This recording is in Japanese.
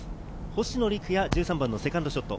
星野陸也、１３番のセカンドショット。